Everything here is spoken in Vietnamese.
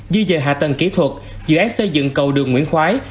dư dời hạ tầng kỹ thuật dự án xây dựng cầu đường nguyễn khói